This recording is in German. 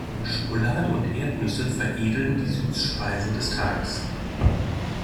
Schokolade und Erdnüsse veredeln die Süßspeise des Tages.